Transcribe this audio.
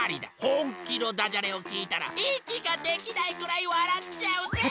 ほんきのダジャレをきいたらいきができないぐらいわらっちゃうぜ！